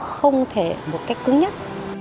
không thể một cách cứng nhất